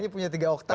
kalau punya tiga oktav